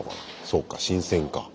そうか新鮮か。